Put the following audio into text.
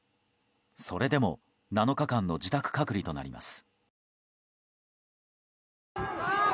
それでも７日間の自宅隔離となります。